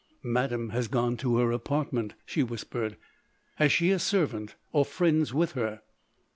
"Madame has gone to her apartment," she whispered. "Has she a servant? Or friends with her?"